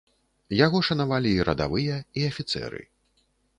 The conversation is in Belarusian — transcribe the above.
Яго шанавалі і радавыя і афіцэры.